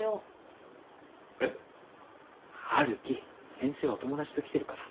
先生はお友達と来てるから。